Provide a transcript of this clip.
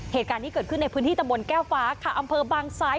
เหตุการณ์นี้เกิดขึ้นในพื้นที่ตะบนแก้วฟ้าค่ะอำเภอบางซ้าย